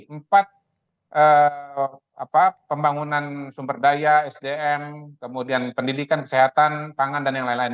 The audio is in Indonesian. empat pembangunan sumber daya sdm kemudian pendidikan kesehatan pangan dan yang lain lain